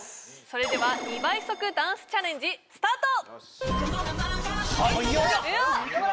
それでは２倍速ダンスチャレンジスタート！